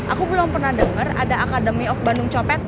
aku belum pernah denger ada academy of bandung copet